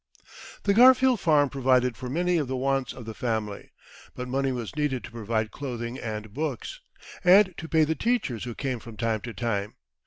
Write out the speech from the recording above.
The Garfield farm provided for many of the wants of the family, but money was needed to provide clothing and books, and to pay the teachers who came from time to time.